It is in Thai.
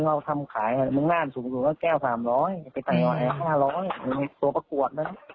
เราทำขายมึงน่าสูงสูงก็แก้วสามร้อยไปตายอย่างไอ้ห้าร้อยตัวประกวดแล้ว